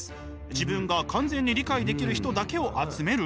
自分が完全に理解できる人だけを集める？